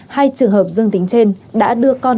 hai trường hợp dương tính trên đã đưa con